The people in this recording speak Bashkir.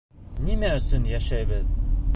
Нимә өсөн йәшәйбеҙ?